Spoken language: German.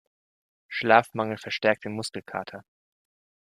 Schlafmangel verstärkt den Muskelkater.